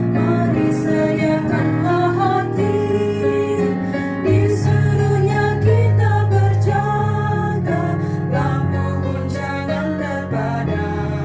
mari seyakkanlah hati disuruhnya kita berjaga lampu pun jangan terbada